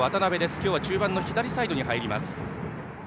今日は中盤左サイドに入ります。